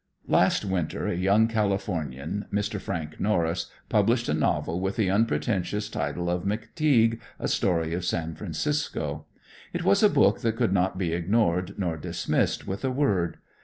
Last winter a young Californian, Mr. Frank Norris, published a novel with the unpretentious title, "McTeague: a Story of San Francisco." It was a book that could not be ignored nor dismissed with a word.